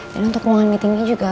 dan untuk ruangan meetingnya juga